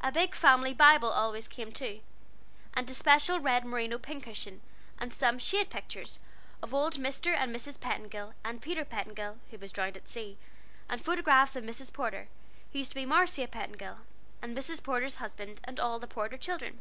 A big family Bible always came too, and a special red merino pin cushion, and some "shade pictures" of old Mr. and Mrs. Petingill and Peter Petingill, who was drowned at sea; and photographs of Mrs. Porter, who used to be Marcia Petingill, and Mrs. Porter's husband, and all the Porter children.